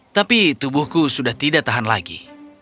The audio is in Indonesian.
tapi tubuhku sudah tidak tahan lagi